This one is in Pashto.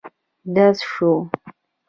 ډز شو.